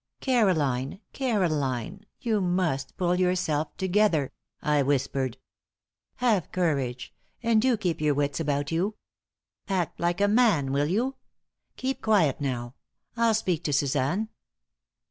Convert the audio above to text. "Caroline! Caroline! You must pull yourself together!" I whispered. "Have courage, and do keep your wits about you! Act like a man, will you? Keep quiet, now. I'll speak to Suzanne."